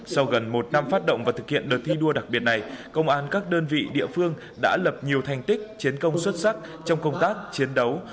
sau gần một năm phát động và thực hiện đợt thi đua đặc biệt này công an các đơn vị địa phương đã lập nhiều thành tích chiến công xuất sắc trong công tác chiến đấu